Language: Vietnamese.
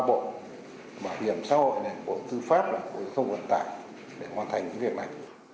bảo hiểm xã hội bộ tư pháp bộ giao thông vận tải để hoàn thành việc này